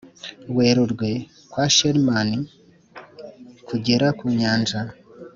werurwe kwa sherman kugera ku nyanja